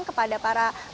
kepada para pelajar